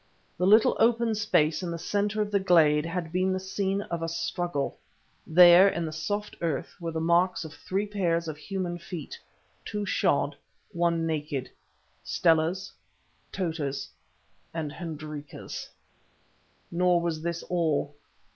The little open space in the centre of the glade had been the scene of a struggle. There, in the soft earth, were the marks of three pairs of human feet—two shod, one naked—Stella's, Tota's, and Hendrika's. Nor was this all.